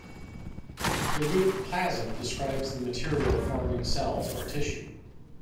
The root "-plasm" describes the material forming cells or tissue.